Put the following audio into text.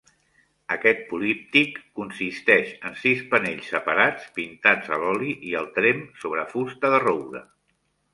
Aquest políptic consisteix en sis panells separats pintats a l'oli i al tremp sobre fusta de roure.